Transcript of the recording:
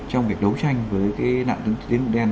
trong việc đấu tranh với cái nạn tiến dụng đen